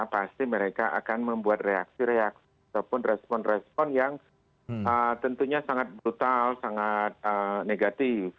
pasti mereka akan membuat reaksi reaksi ataupun respon respon yang tentunya sangat brutal sangat negatif